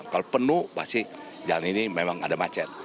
kalau penuh pasti jalan ini memang ada macet